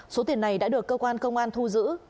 số tiền này đã được cơ quan công an thu giữ